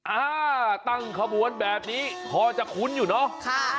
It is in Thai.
อ่าตั้งขบวนแบบนี้พอจะคุ้นอยู่เนอะค่ะ